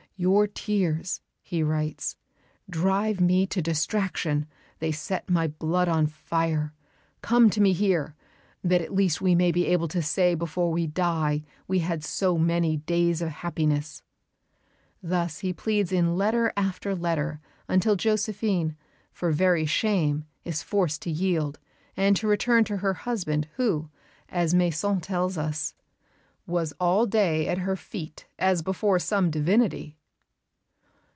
"Your tears," he writes, "drive me to distraction; they set my blood on fire. Come to me here, that at least we may be able to say before we die we had so many days of happiness." Thus he pleads in letter after letter until Josephine, for very shame, is forced to yield, and to return to her husband, who, as Masson tells us, "was all day at her feet as before some divinity."